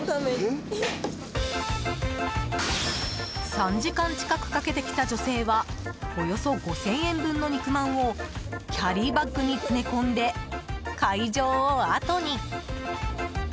３時間近くかけて来た女性はおよそ５０００円分の肉まんをキャリーバッグに詰め込んで会場をあとに。